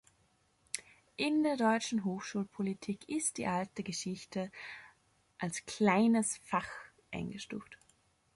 In der deutschen Hochschulpolitik ist die Alte Geschichte als Kleines Fach eingestuft.